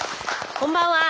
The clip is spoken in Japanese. こんばんは！